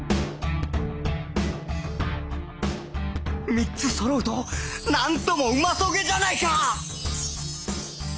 ３つそろうとなんともうまそげじゃないか！